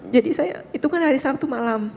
jadi itu kan hari sabtu malam